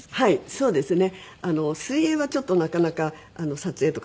そうですね。